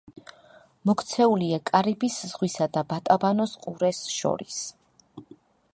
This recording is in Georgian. მოქცეულია კარიბის ზღვისა და ბატაბანოს ყურეს შორის.